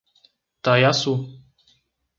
Taiaçu